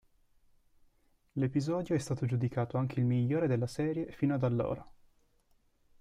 L'episodio è stato giudicato anche il migliore della serie fino ad allora.